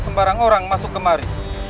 sembarang orang masuk kemari